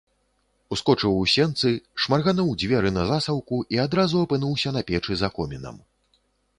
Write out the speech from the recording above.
Ускочыў у сенцы, шмаргануў дзверы на засаўку і адразу апынуўся на печы за комінам.